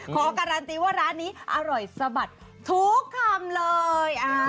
ขอการันตีว่าร้านนี้อร่อยสะบัดทุกคำเลย